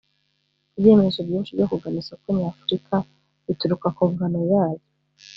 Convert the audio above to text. Ibyemezo byinshi byo kugana isoko nyafrika bituruka ku ngano yaryo